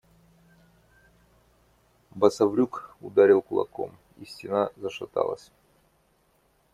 Басаврюк ударил кулаком, и стена зашаталась.